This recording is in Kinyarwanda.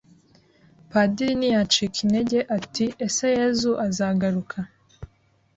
Padiri ntiyacika intege ati ese Yezu azagaruka